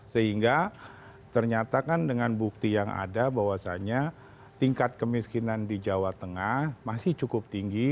sehingga ternyata kan dengan bukti yang ada bahwasannya tingkat kemiskinan di jawa tengah masih cukup tinggi